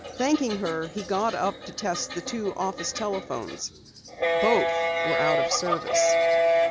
Thanking her, he got up to test the two office telephones. Both were out of service.